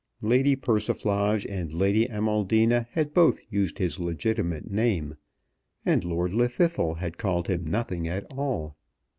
Lady Persiflage and Lady Amaldina had both used his legitimate name, and Lord Llwddythlw had called him nothing at all.